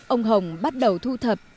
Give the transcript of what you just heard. ông hồng bắt đầu thu thập